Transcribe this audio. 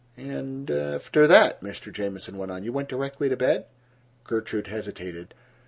"And—after that," Mr. Jamieson went on, "you went directly to bed?" Gertrude hesitated.